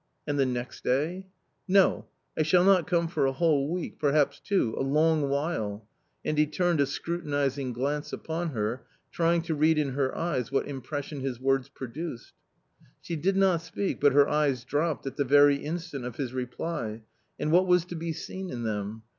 " And the next day ?"" No ; I shall not come for a whole week, perhaps, two — a long while !" And he turned a scrutinising glance upon her, trying to read in her eyes what impression his words produced. She did not speak, but her eyes dropped at the very in stant of his reply, and what was to be seen in them